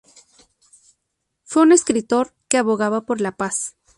Fue un escritor que abogaba por la paz.